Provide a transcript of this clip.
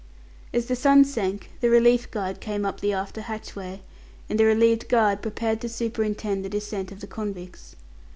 As the sun sank, the relief guard came up the after hatchway, and the relieved guard prepared to superintend the descent of the convicts.